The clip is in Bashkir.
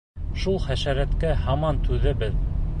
Шул хәшәрәткә һаман түҙәбеҙ.